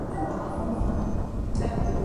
He attended Brisbane State High School.